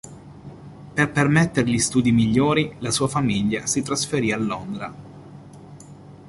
Per permettergli studi migliori, la sua famiglia si trasferì a Londra.